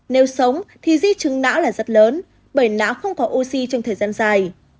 nếu sống thì di chứng não là rất lớn bởi não không có oxy trong thời gian dài